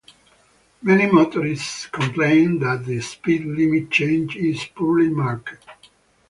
Many motorists complain that the speed limit change is poorly marked.